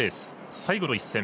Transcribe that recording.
最後の１戦。